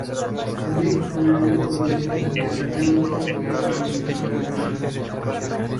Luis Donaldo Colosio le tenía mucho respeto al ministro del Río.